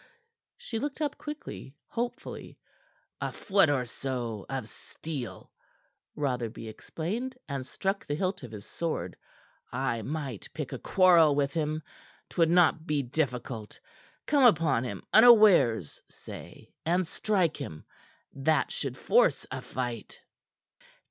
she looked up quickly, hopefully. "A foot or so of steel," Rotherby explained, and struck the hilt of his sword. "I might pick a quarrel with him. 'Twould not be difficult. Come upon him unawares, say, and strike him. That should force a fight."